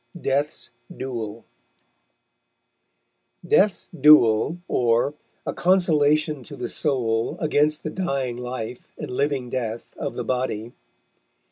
DEATH'S DUEL DEATH'S DVELL; _or, A Consolation to the Soule, against the dying Life, and living Death of the Body.